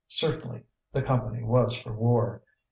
Certainly, the Company was for war.